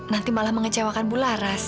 nanti malah mengecewakan ibu laras